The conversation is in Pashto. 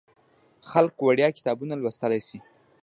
خلک وړیا کتابونه لوستلی شي.